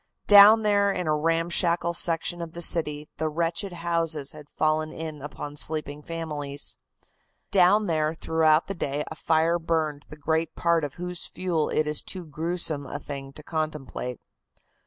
Down there in a ramshackle section of the city the wretched houses had fallen in upon the sleeping families. Down there throughout the day a fire burned the great part of whose fuel it is too gruesome a thing to contemplate.